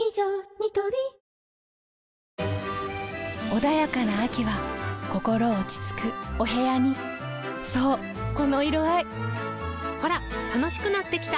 ニトリ穏やかな秋は心落ち着くお部屋にそうこの色合いほら楽しくなってきた！